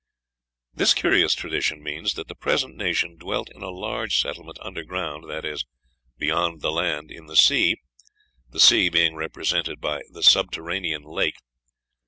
This curious tradition means that the present nation dwelt in a large settlement underground, that is, beyond the land, in the sea; the sea being represented by "the subterranean lake."